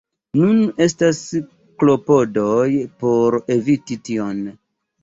Nun estas klopodoj por eviti tion.